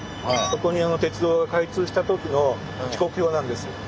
そこに鉄道が開通したときの時刻表なんです。